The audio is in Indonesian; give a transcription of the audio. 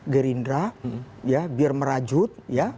gerindra biar merajut